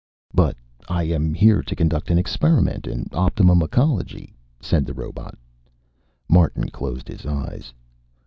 "But I am here to conduct an experiment in optimum ecology," said the robot. Martin closed his eyes.